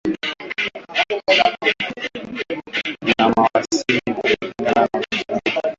Ninawasihi kujizuia na ni muhimu kujiepusha na vitendo vya uchokozi